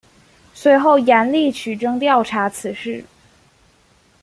随后严厉取证调查此事。